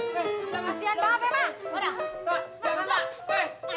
pergi semuanya masuk